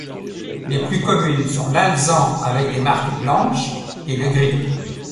Les plus communes sont l'alezan avec des marques blanches, et le gris.